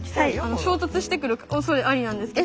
衝突してくるおそれありなんですけど。